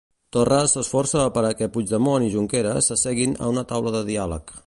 Torra s'esforça per a que Puigdemont i Junqueras s'asseguin a la taula de diàleg.